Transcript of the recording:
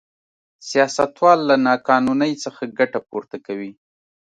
سیاستوال له نا قانونۍ څخه ګټه پورته کوي.